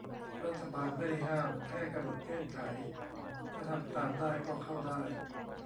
รัฐบาล "ไม่ได้ห้าม" แค่กำหนดเงื่อนไข ถ้าทำตามได้ก็เข้าได้